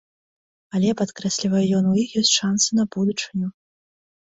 Але, падкрэслівае ён, у іх ёсць шансы на будучыню.